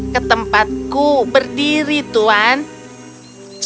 ke tempatku berdiri tuan